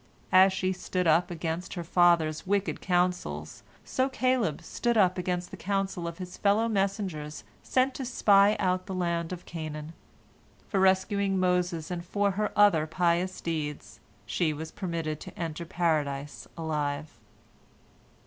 As she stood up against her father's wicked counsels, so Caleb stood up against the counsel of his fellow messengers sent to spy out the land of Canaan. For rescuing Moses and for her other pious deeds, she was permitted to enter Paradise alive.